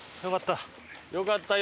よかった。